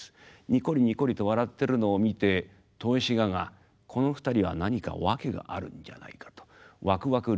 ニコリニコリと笑ってるのを見て豊志賀がこの２人は何か訳があるんじゃないかと湧く湧く